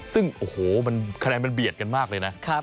ซึ่งโอ้โหวะคะแนนมันเปรียดกันมากนะ